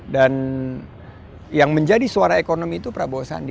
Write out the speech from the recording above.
dan yang menjadi suara ekonomi itu prabowo sandi